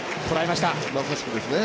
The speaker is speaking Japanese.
まさしくですね。